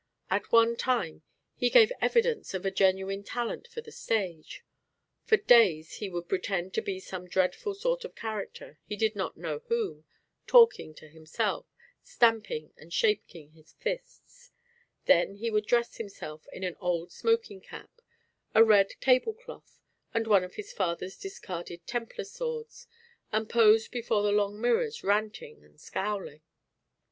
At one time he gave evidence of a genuine talent for the stage. For days he would pretend to be some dreadful sort of character, he did not know whom, talking to himself, stamping and shaking his fists; then he would dress himself in an old smoking cap, a red table cloth and one of his father's discarded Templar swords, and pose before the long mirrors ranting and scowling.